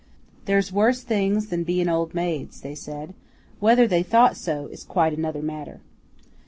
"There's worse things than bein' old maids," they said; whether they thought so is quite another matter.